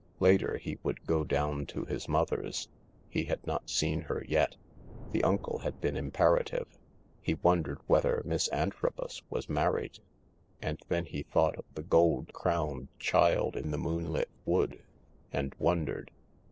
Later he would go down to his mother's. He had not seen her yet. The uncle had been imperative. He wondered whether Miss Antrobus was mar ried, and then he thought of the gold crowned child in the moonlit wood, and wondered.